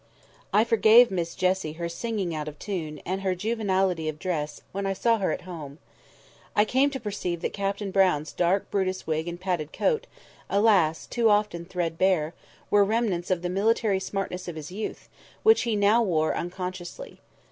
I forgave Miss Jessie her singing out of tune, and her juvenility of dress, when I saw her at home. I came to perceive that Captain Brown's dark Brutus wig and padded coat (alas! too often threadbare) were remnants of the military smartness of his youth, which he now wore unconsciously.